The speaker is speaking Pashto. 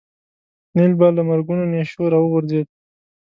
نیل به له مرګونو نېشو راوغورځېد.